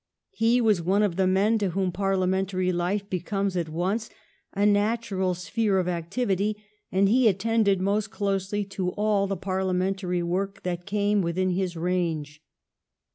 He was one of the men to whom parliamentary life becomes at once a natural sphere of activity, and he attended most closely to all the parhamentary work that came within his range.